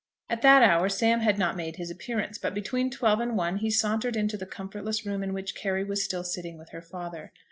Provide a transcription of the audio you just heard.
At that hour Sam had not made his appearance; but between twelve and one he sauntered into the comfortless room in which Carry was still sitting with her father.